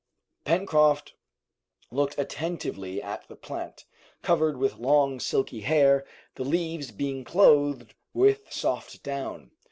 Pencroft looked attentively at the plant, covered with long silky hair, the leaves being clothed with soft down.